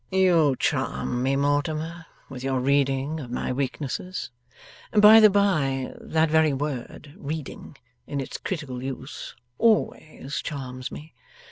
'You charm me, Mortimer, with your reading of my weaknesses. (By the by, that very word, Reading, in its critical use, always charms me.